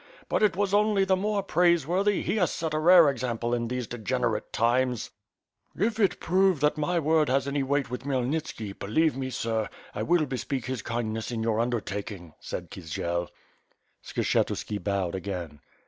But it was only the more praiseworthy; he has set a rare example in these degenerate times/^ "If it prove that my word has any weight with Khmyel nitski, believe me, sir, I will bespeak his kindness in your un dertaking," said Kisiel. Skshetuski bowed again.